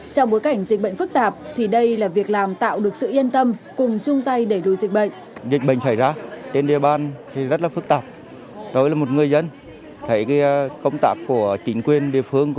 trong bối cảnh dịch bệnh phức tạp thì đây là việc làm tạo được sự yên tâm cùng chung tay đẩy lùi dịch bệnh